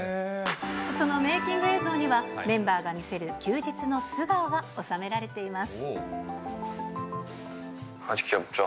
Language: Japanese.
そのメーキング映像には、メンバーが見せる休日の素顔が収められています。